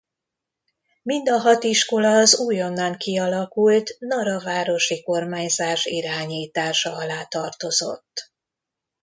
Mind a hat iskola az újonnan kialakult Nara városi kormányzás irányítása alá tartozott.